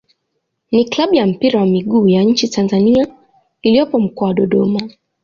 ni klabu ya mpira wa miguu ya nchini Tanzania iliyopo Mkoa wa Dodoma.